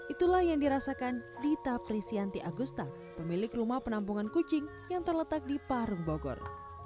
itulah yang dirasakan dita prisianti agusta pemilik rumah penampungan kucing yang terletak di parung bogor